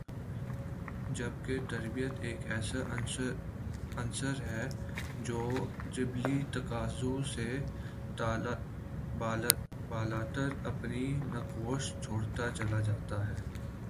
جبکہ تربیت ایک ایسا عنصر ہے جو جبلی تقاضوں سے بالاتر اپنے نقوش چھوڑتا چلا جاتا ہے